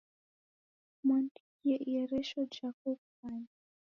Mwandikie ieresho jhako ukumanye